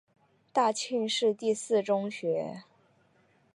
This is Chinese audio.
大庆市第四中学。